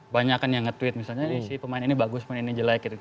banyak kan yang nge tweet misalnya pemain ini bagus pemain ini jelek gitu